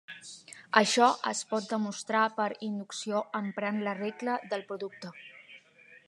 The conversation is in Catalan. Això es pot demostrar per inducció emprant la regla del producte.